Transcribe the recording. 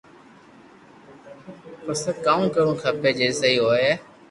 مپسي ڪاو ڪروُ کپي جي سھي ھوئي